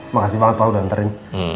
makasih banget pak udah antarin